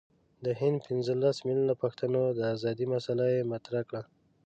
د هند پنځه لس میلیونه پښتنو د آزادی مسله یې مطرح کړه.